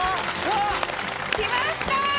来ました！